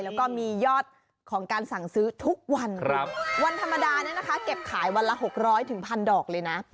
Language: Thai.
แล้วก็มียอดของการสั่งซื้อทุกวันวันธรรมดาเนี่ยนะคะเก็บขายวันละ๖๐๐๑๐๐ดอกเลยนะ